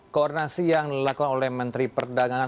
koordinasi yang dilakukan oleh menteri perdagangan